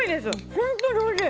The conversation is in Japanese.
本当においしい。